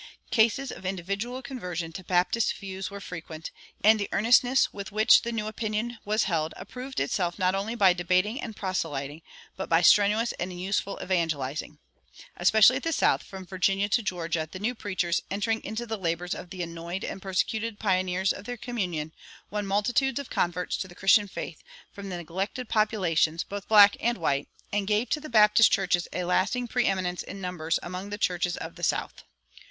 Cases of individual conversion to Baptist views were frequent, and the earnestness with which the new opinion was held approved itself not only by debating and proselyting, but by strenuous and useful evangelizing. Especially at the South, from Virginia to Georgia, the new preachers, entering into the labors of the annoyed and persecuted pioneers of their communion, won multitudes of converts to the Christian faith, from the neglected populations, both black and white, and gave to the Baptist churches a lasting preëminence in numbers among the churches of the South.